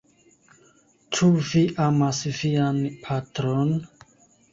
Ĉu vi amas vian patron?